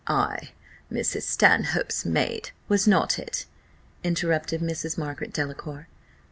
"Ay, Mrs. Stanhope's maid, was not it?" interrupted Mrs. Margaret Delacour.